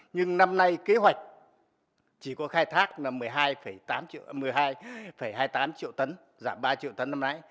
nhưng năm nay kế hoạch chỉ có khai thác là một mươi hai tám triệu tấn giảm ba triệu tấn năm nãy